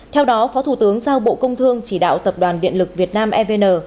theo đó phó thủ tướng giao bộ công thương chỉ đạo tập đoàn điện lực việt nam evn